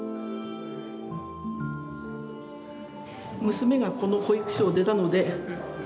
娘がこの保育所を出たのではい。